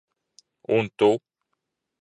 Un tu?